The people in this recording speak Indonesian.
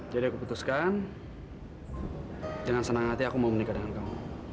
jadi aku putuskan jangan senang hati aku mau menikah dengan kamu